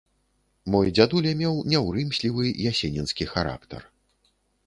Мой дзядуля меў няўрымслівы ясенінскі характар.